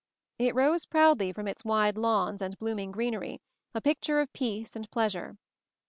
It rose proudly from its wide lawns and bloom ing greenery, a picture of peace and pleasure.